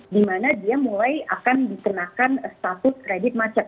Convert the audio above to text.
dimana dia mulai akan dikenakan status kredit macet